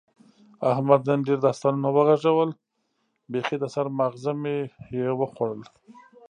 احمد نن ډېر داستانونه و غږول، بیخي د سر ماغز مې یې وخوړل.